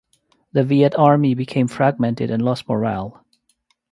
The Viet army became fragmented and lost morale.